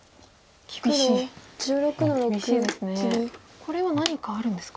これは何かあるんですか。